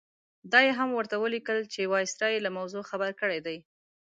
دا یې هم ورته ولیکل چې وایسرا یې له موضوع خبر کړی دی.